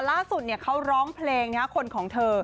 ล่าสุดเขาร้องเพลงคนของเธอ